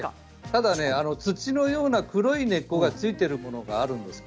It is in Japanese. ただ土のような黒い根っこが付いてるものがあるんです。